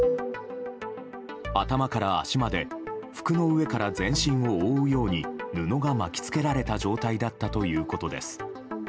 頭から足まで服の上から全身を覆うように布が巻きつけられた状態だったということです。